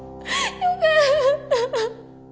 よかった。